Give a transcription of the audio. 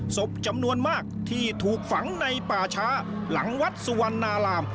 ศพจำนวนมากที่ถูกฝังในป่าช้าหลังวัดสุวรรณาราม